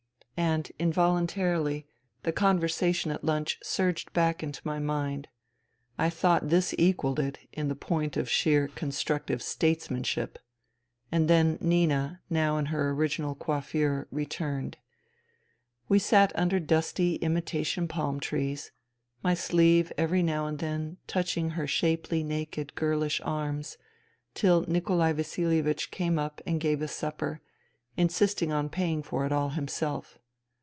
And, involuntarily, the conversation at lunch surged back to my mind. I thought this equalled it in point of sheer " constructive statesmanship." And then Nina, now in her original coiffure, returned. We sat under dusty imitation palm trees, my sleeve every now and then touching her shapely naked girlish arms ; till Nikolai Vasilievich came up and gave us supper, insisting on paying for it all himself.